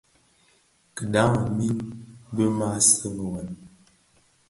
Kidhaň min bi maa seňi wêm,